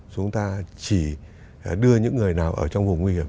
chúng ta chỉ đưa những người nào ở trong vùng nguy hiểm